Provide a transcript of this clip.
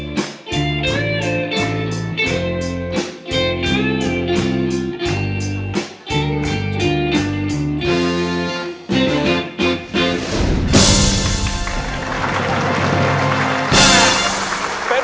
ครับมีแฟนเขาเรียกร้อง